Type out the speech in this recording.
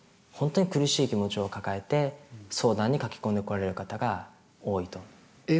本当に苦しい気持ちを抱えて相談に駆け込んでこられる方が多いと。